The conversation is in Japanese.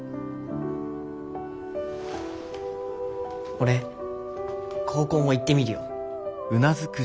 俺高校も行ってみるよ。